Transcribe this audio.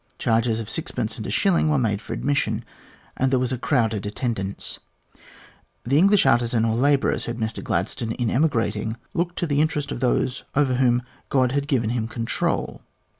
Charges of sixpence and a shilling were made for admission, and there was a crowded attendance. The English artisan or labourer, said Mr Gladstone, in emigrating, looked to the interest of those over whom God Lad given him control.